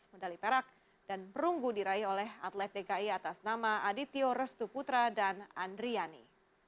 medali perak dan perunggu diraih oleh atlet dki atas nama adityo restuputra dan andriyani